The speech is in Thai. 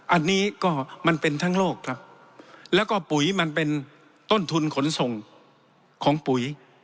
อันนี้ก็มันเป็นทั้งโลกครับแล้วก็ปุ๋ยมันเป็นต้นทุนขนส่งของปุ๋ย